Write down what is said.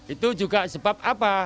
itu juga sebab apa